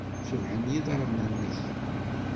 Cebḥen yiḍarren-nnek.